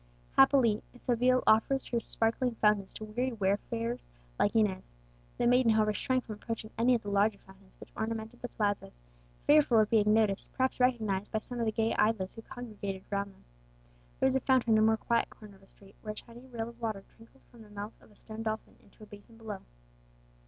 Happily, Seville offers her sparkling fountains to weary wayfarers like Inez. The maiden, however, shrank from approaching any of the larger fountains which ornamented the plazas, fearful of being noticed, perhaps recognized, by some of the gay idlers who congregated around them. There was a fountain in a more quiet corner of a street, where a tiny rill of water trickled from the mouth of a stone dolphin into a basin below.